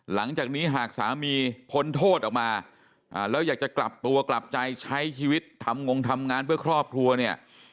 หลังจากนี้หากสามีพ้นโทษออกมาแล้วอยากจะกลับตัวกลับใจใช้ชีวิตทำงงทำงานเพื่อครอบครัวเนี่ย